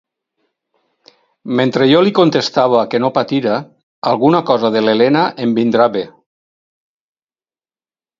Mentre jo li contestava que no patira, alguna cosa de l'Elena em vindrà bé.